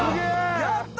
やった！